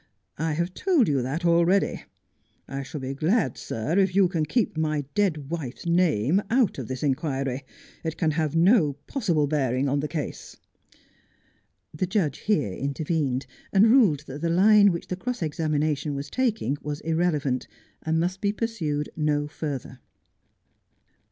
I have told you that already. I shall be glad, sir, if you can keep my dead wife's name out of this inquiry. It can have no possible bearing on the case. The judge here intervened, and ruled that the line which the cross examination was taking was irrelevant, and must be pur sued no further.